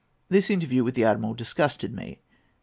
This interview with the admiral disgusted me.